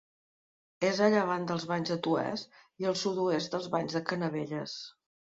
És a llevant dels Banys de Toès i al sud-oest dels Banys de Canavelles.